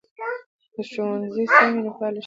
که ښوونځی سم وي نو پایله ښه وي.